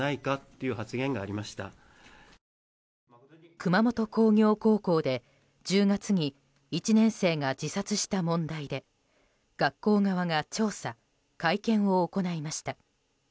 熊本工業高校で１０月に１年生が自殺した問題で学校側が調査会見を行いました。